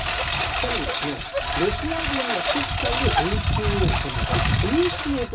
更に、ロシア軍が黒海で演習を行っていたと。